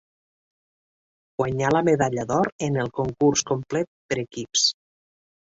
Guanyà la medalla d'or en el concurs complet per equips.